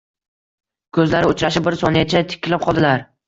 Ko‘zlari uchrashib, bir soniyacha tikilib qoldilar.